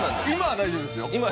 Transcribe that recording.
今は大丈夫ですよ。